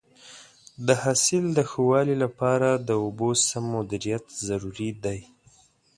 د حاصل د ښه والي لپاره د اوبو سم مدیریت ضروري دی.